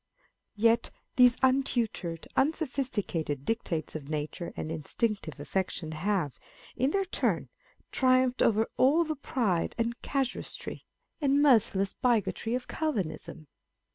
Yet these untutored, unsophisticated dictates of nature and instinctive affection have, in their turn, triumphed over all the pride of casuistry, and merci less bigotry of Calvinism